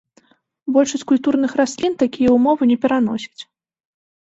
Большасць культурных раслін такія ўмовы не пераносіць.